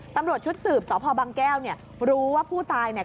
ตำรวจชุดสืบสพบังแก้วเนี่ยรู้ว่าผู้ตายเนี่ย